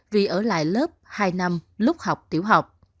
vì ở lại lớp hai năm lúc học tiểu học